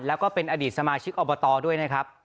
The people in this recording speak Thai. แล้วก็เป็นอดีตสมาชิกอบตด้วยนะครับ